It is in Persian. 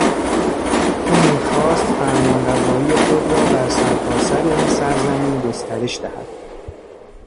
او میخواست فرمانروایی خود را بر سرتاسر این سرزمین گسترش دهد.